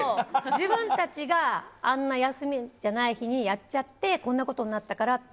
自分たちが休みじゃない日にやっちゃってこんなことになったからって。